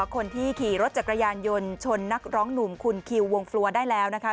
คนที่ขี่รถจักรยานยนต์ชนนักร้องหนุ่มคุณคิววงฟลัวได้แล้วนะคะ